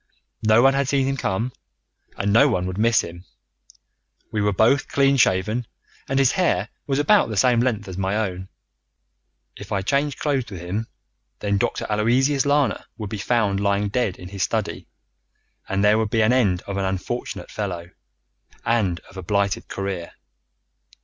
No one had seen him come and no one would miss him. We were both clean shaven, and his hair was about the same length as my own. If I changed clothes with him, then Dr. Aloysius Lana would be found lying dead in his study, and there would be an end of an unfortunate fellow, and of a blighted career.